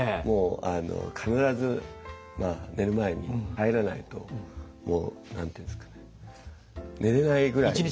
もう必ず寝る前に入らないともう何て言うんですかね寝れないぐらい。